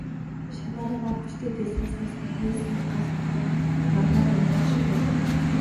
Шанаа руугаа хүчтэй дэлсүүлснээс нүднээс нь гал бутран, нармай нь янгинах шиг болно.